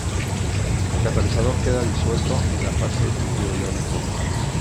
El catalizador queda disuelto en la fase líquido iónico.